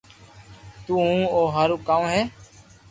تو ھون او ھارو ڪاو ھي